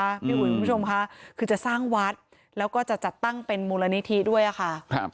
พี่อุ๋ยคุณผู้ชมค่ะคือจะสร้างวัดแล้วก็จะจัดตั้งเป็นมูลนิธิด้วยค่ะครับ